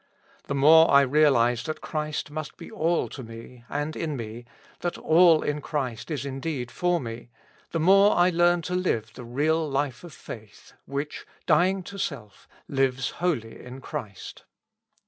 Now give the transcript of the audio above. The more I realize that Christ must be all to me, and in me, that all in Christ is indeed for me, the more I learn to live the real life of faith, which, dying to self, lives wholly in Christ.